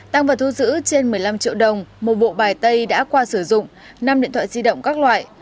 tăng vật thu giữ trên một mươi năm triệu đồng một bộ bài tay đã qua sử dụng năm điện thoại di động các loại